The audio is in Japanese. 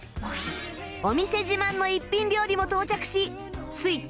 お店自慢の一品料理も到着しスイッチが入る２人